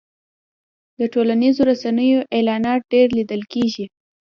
د ټولنیزو رسنیو اعلانات ډېر لیدل کېږي.